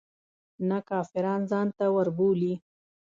نه کافران ځانته وربولي.